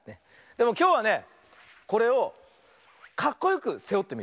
でもきょうはねこれをかっこよくせおってみるよ。